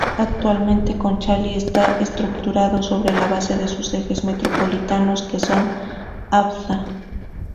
Actualmente Conchalí está estructurado sobre la base de sus ejes metropolitanos, que son: Avda.